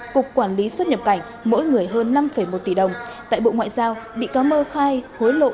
cục quản lý xuất nhập cảnh mỗi người hơn năm một tỷ đồng tại bộ ngoại giao bị cáo mơ khai hối lộ